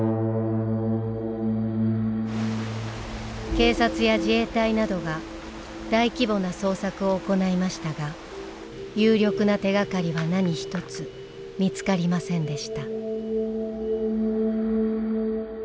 警察や自衛隊などが大規模な捜索を行いましたが有力な手がかりは何一つ見つかりませんでした。